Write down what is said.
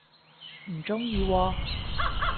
唔鍾意喎